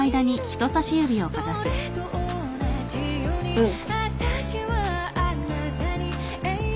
うん。